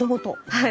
はい。